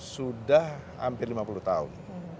sudah hampir lima puluh tahun